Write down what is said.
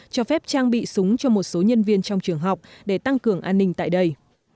cho phép trang bị súng cho một số nhân viên trong trường học để tăng cường an ninh tại đây